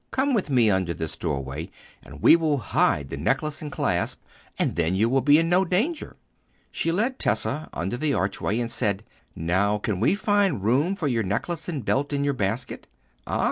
"Come with me under this doorway, and we will hide the necklace and clasp, and then you will be in no danger." She led Tessa under the archway, and said, "Now, can we find room for your necklace and belt in your basket? Ah!